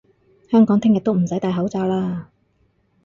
香港聽日都唔使戴口罩嘞！